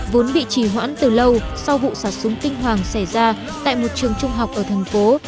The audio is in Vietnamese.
vốn bị trì hoãn từ lâu sau vụ xả súng kinh hoàng xảy ra tại một trường trung học ở thành phố